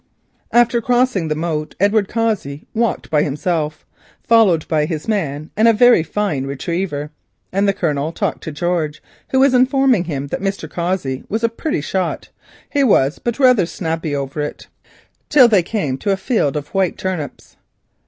After crossing the moat, Edward Cossey walked by himself, followed by his man and a very fine retriever, and the Colonel talked to George, who was informing him that Mr. Cossey was "a pretty shot, he wore, but rather snappy over it," till they came to a field of white turnips.